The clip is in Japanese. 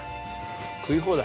食い放題。